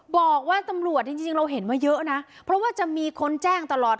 บอกว่าตำรวจจริงจริงเราเห็นมาเยอะนะเพราะว่าจะมีคนแจ้งตลอด